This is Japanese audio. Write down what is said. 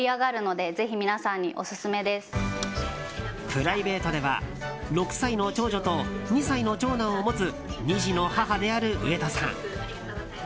プライベートでは６歳の長女と２歳の長男を持つ２児の母である上戸さん。